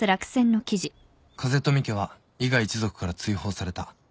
［風富家は伊賀一族から追放された］